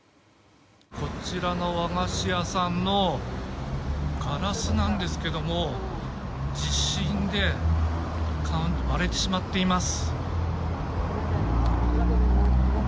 こちらの和菓子屋さんのガラスなんですが地震で割れてしまっています。